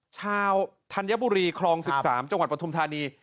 ธัญบุรีคลอง๑๓จังหวัดปฐุมธานี